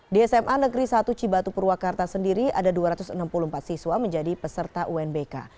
di sma negeri satu cibatu purwakarta sendiri ada dua ratus enam puluh empat siswa menjadi peserta unbk